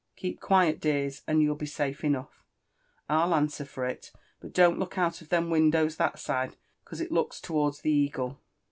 "Keep quiet, dears, and you'll be safe enough, FU answer for it; but don't look out of them windows that side, 'cause it looks t' wards the Eagle.